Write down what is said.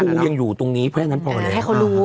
มึงยังอยู่ตรงนี้แค่นั้นพอแล้ว